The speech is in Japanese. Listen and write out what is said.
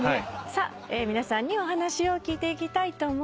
さあ皆さんにお話を聞いていきたいと思います。